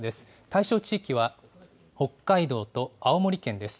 対象地域は北海道と青森県です。